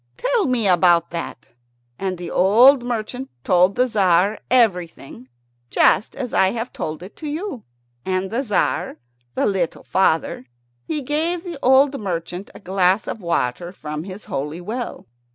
Tell me about that." And the old merchant told the Tzar everything, just as I have told it to you. And the Tzar, the little father, he gave the old merchant a glass of water from his holy well.